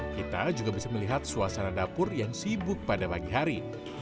kita juga bisa melihat suasana dapur yang sibuk pada pagi hari